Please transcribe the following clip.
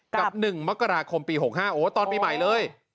๑มกราคมปี๖๕โอ้ตอนปีใหม่เลย